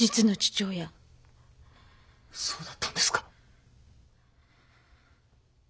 そうだったんですか。